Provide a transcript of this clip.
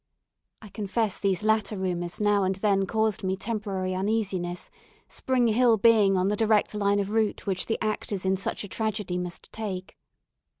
I confess these latter rumours now and then caused me temporary uneasiness, Spring Hill being on the direct line of route which the actors in such a tragedy must take.